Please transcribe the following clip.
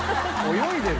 泳いでる。